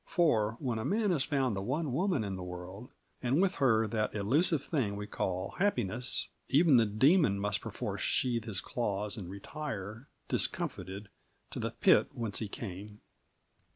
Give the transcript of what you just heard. For when a man has found the one woman in the world, and with her that elusive thing we call happiness, even the demon must perforce sheathe his claws and retire, discomfited, to the pit whence he came.